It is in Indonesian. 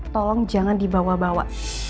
tolong jangan dibawa bawa